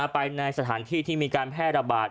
ไปในสถานที่ที่มีการแพร่ระบาด